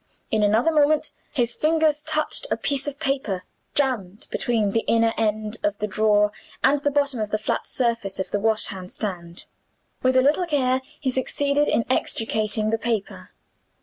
In another moment his fingers touched a piece of paper, jammed between the inner end of the drawer and the bottom of the flat surface of the washhand stand. With a little care, he succeeded in extricating the paper.